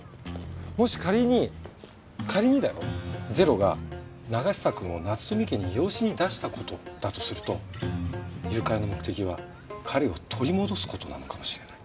もし仮に仮にだよゼロが永久くんを夏富家に養子に出した事だとすると誘拐の目的は彼を取り戻す事なのかもしれない。